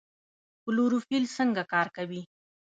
کلوروفیل څنګه کار کوي؟